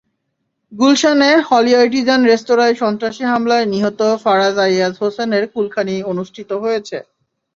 গুলশানে Holey Artisan রেস্তোরাঁয় সন্ত্রাসী হামলায় নিহত ফারাজ আইয়াজ হোসেনের কুলখানি অনুষ্ঠিত হয়েছে।